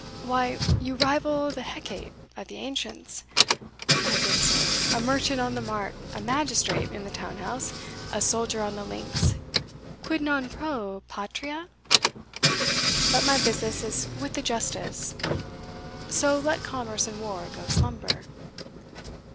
Why, you rival the Hecate' of the ancients, my good sir a merchant on the Mart, a magistrate in the Townhouse, a soldier on the Links quid non pro patria? But my business is with the justice; so let commerce and war go slumber."